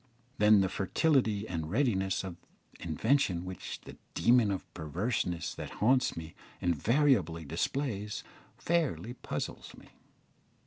Then the fertility and readiness of invention which the demon of perverseness that haunts me invariably displays, fairly puzzles me.